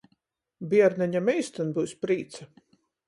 Bierneņam eistyn byus prīca!